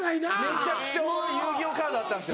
めちゃくちゃおもろい遊戯王カードあったんですよ。